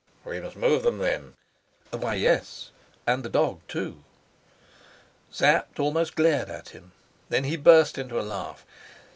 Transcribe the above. "We must move them then?" "Why, yes. And the dog too." Sapt almost glared at him; then he burst into a laugh.